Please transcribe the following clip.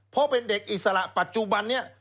เพราะเป็นเด็กอิสระปัจจุบันนี้